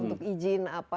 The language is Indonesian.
untuk izin apa